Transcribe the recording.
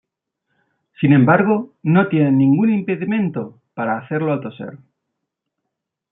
Sin embargo, no tienen ningún impedimento para hacerlo al toser.